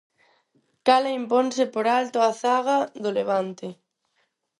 Cala imponse por alto á zaga do Levante.